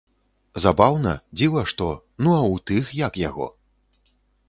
Забаўна, дзіва што, ну, а ў тых, як яго?